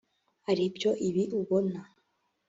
ari byo ibi ubona